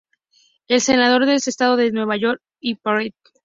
El senador del estado de Nueva York y Pte.